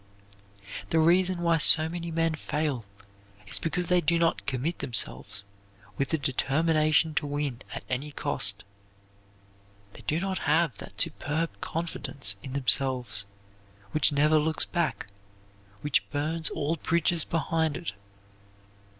The reason why so many men fail is because they do not commit themselves with a determination to win at any cost. They do not have that superb confidence in themselves which never looks back; which burns all bridges behind it.